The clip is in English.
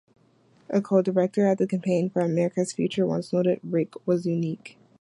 A co-director at the Campaign for America's Future once noted, Rick was unique.